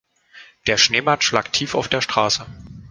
Der Schneematsch lag tief auf der Straße.